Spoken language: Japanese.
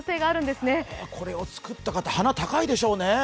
これをつくった方、鼻が高いでしょうね。